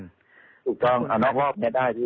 ถูกต้องเอานอกว่าพี่ให้ได้